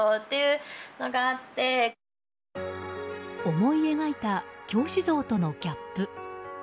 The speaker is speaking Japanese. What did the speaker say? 思い描いた教師像とのギャップ。